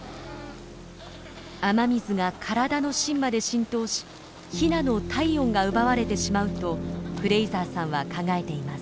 雨水が体の芯まで浸透しヒナの体温が奪われてしまうとフレイザーさんは考えています。